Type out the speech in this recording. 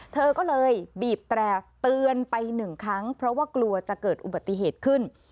เธอก็เลยบีบแตร่เตือนไปหนึ่งครั้งเพราะว่ากลัวจะเกิดอุบัติเหตุขึ้น